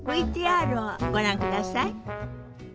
ＶＴＲをご覧ください。